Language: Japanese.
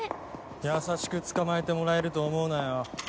優しく捕まえてもらえると思うなよ。